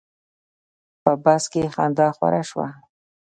په بس کې خندا خوره شوه.